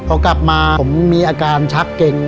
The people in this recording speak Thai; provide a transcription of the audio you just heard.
พอกลับมาผมมีอาการชักเก่ง